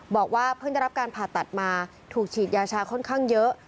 บอกว่าเพิ่งได้รับการผ่าตัดมาถูกฉีดยาชาค่อนข้างเยอะ